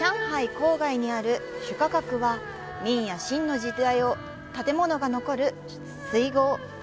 郊外にある朱家角は明や清の時代の建物が残る水郷。